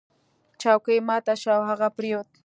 چوکۍ ماته شوه او هغه پریوت.